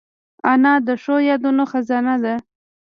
انا د ښو یادونو خزانه ده